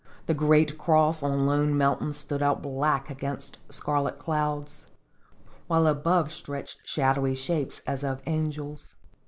The great cross on Lone Mountain stood out black against scarlet clouds, while above stretched shadowy shapes as of angels.